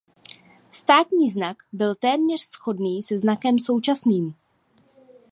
Státní znak byl téměř shodný se znakem současným.